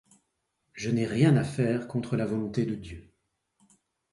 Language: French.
Je n’ai rien à faire contre la volonté de Dieu.